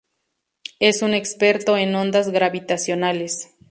Es un experto en ondas gravitacionales.